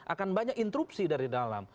akan banyak interupsi dari dalam